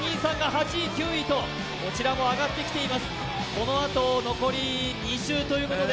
このあと残り２周ということで。